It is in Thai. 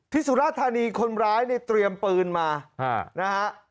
ที่สุรทานีคนร้ายเนี่ยเตรียมปืนมานะครับ